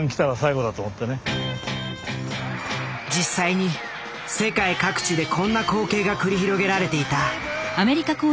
実際に世界各地でこんな光景が繰り広げられていた。